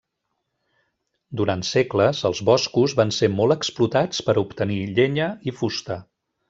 Durant segles, els boscos van ser molt explotats per a obtenir llenya i fusta.